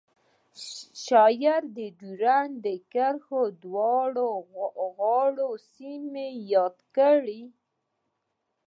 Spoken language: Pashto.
شاعر د ډیورنډ د کرښې دواړو غاړو سیمې یادې کړې